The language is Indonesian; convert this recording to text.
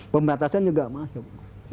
pembatasan juga masuk